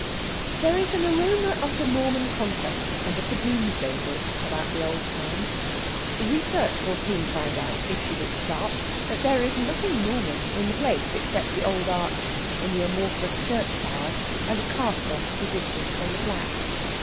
There is an aroma of the Norman Conquest and of Domesday Book about the old town. Research will soon find out, if she looks sharp, that there is nothing Norman in the place except the old arch in the amorphous church tower, and a castle at a distance on the flats.